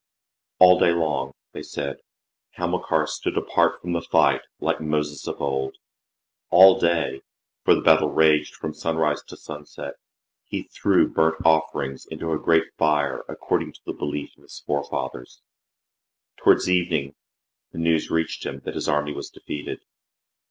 "All day long/' they said, "Hamilcar stood apart from the fight, like Moses of old. All day for the battle raged from sunrise to sunset he threw burnt offerings into a great fire, according to the belief of his forefathers. Towards evening the news reached him, that his army was defeated.